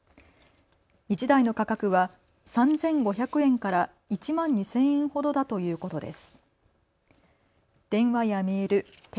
１台の価格は３５００円から１万２０００円ほどだということです。